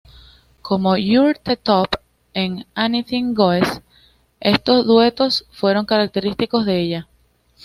Como "You're the Top" en "Anything Goes", estos duetos fueron característicos de ella.